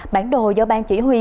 bản đồ do bang chỉ huy